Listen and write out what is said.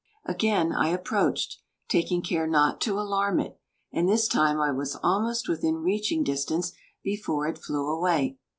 Again I approached, taking care not to alarm it, and this time I was almost within reaching distance before it flew away.